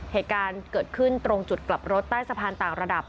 เหตุการณ์เกิดขึ้นตรงจุดกลับรถใต้สะพานต่างระดับ